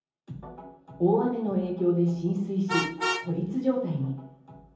大雨の影響で浸水し孤立状態に。